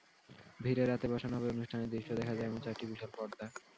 ভিড় এড়াতে বসানো হবে অনুষ্ঠানের দৃশ্য দেখা যায় এমন চারটি বিশাল পর্দা।